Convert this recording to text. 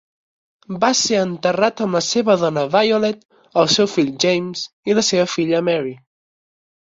Va ser enterrat amb la seva dona Violet, el seu fill James i la seva filla Mary.